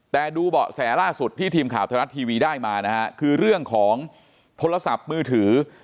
แต่ดูเบาะแสล่าสุดที่ทีมข่าวไทยรัฐทีวีได้มานะฮะคือเรื่องของโทรศัพท์มือถือ